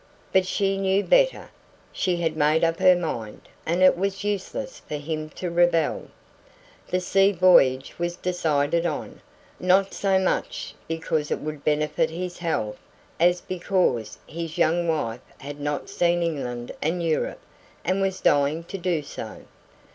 But she knew better. She had made up her mind, and it was useless for him to rebel. The sea voyage was decided on not so much because it would benefit his health as because his young wife had not seen England and Europe, and was dying to do so.